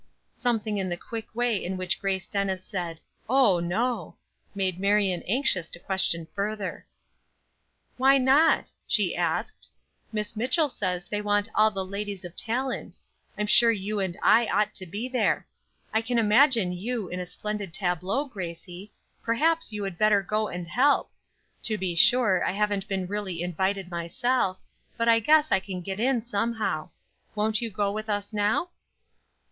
Something in the quick way in which Grace Dennis said, "Oh, no," made Marion anxious to question further. "Why not?" she asked. "Miss Mitchell says they want all the ladies of talent; I'm sure you and I ought to be there. I can imagine you in a splendid tableau, Gracie; perhaps you would better go and help. To be sure, I haven't been really invited myself, but I guess I can get in somehow. Won't you go with us now?"